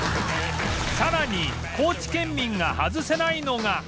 さらに高知県民が外せないのが